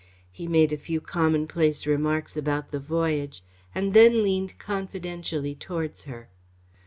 He made a few commonplace remarks about the voyage, and then leaned confidentially towards her.